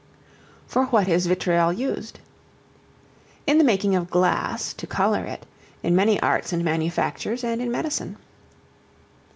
For what is Vitriol used? In the making of glass, to color it; in many arts and manufactures; and in medicine.